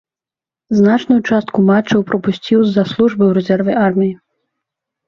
Значную частку матчаў прапусціў з-за службы ў рэзерве ў арміі.